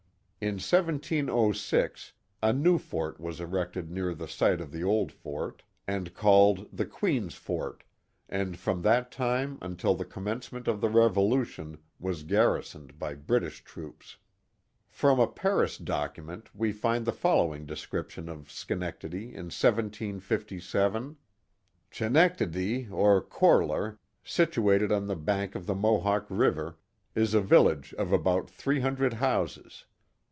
In 1706 a new fort was erected near the site of the old fort. yo The Mohawk Valley and called the Queen's Foit, and from that time until the com mencement of the Revolution was garrisoned by British troops. From a Paris document we find the following description of Schenectady in 1757; Chenectedi, or Corlar, situated on the bank of the Mohawk River, is a village of about three hundred houses.